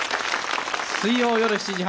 水曜夜７時半。